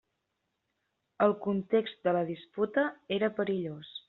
El context de la disputa era perillós.